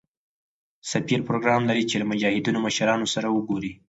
سفیر پروګرام لري چې له مجاهدینو مشرانو سره وګوري.